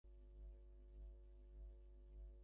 আমি বাসায় খুব কম থাকি।